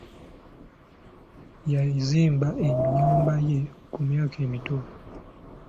Yazimba ennyumba ye ku myaka emito.